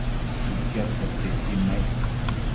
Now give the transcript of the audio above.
Mëquiadtiadquio icquid naic